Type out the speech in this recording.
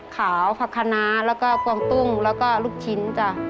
ขาวผักคณะแล้วก็กวงตุ้งแล้วก็ลูกชิ้นจ้ะ